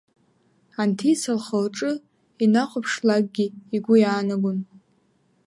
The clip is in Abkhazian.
Анҭица лхы-лҿы инахәаԥшлакгьы игәы иаанагон…